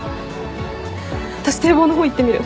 私堤防の方行ってみる。